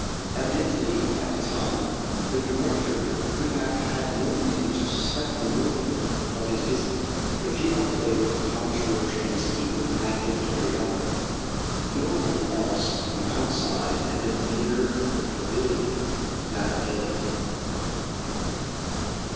Evidently, at the time, the director could have had no reason to suspect the motive of his visit. But a few hours later, Thomas Roch and his keeper had been carried off. No one else from outside had been near the pavilion that day.